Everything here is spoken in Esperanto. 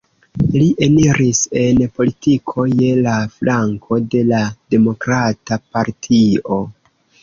Li eniris en politiko je la flanko de la Demokrata Partio.